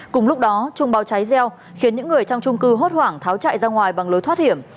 cùng lúc đó trung báo cháy gieo khiến những người trong trung cư hốt hoảng tháo chạy ra ngoài bằng lối thoát hiểm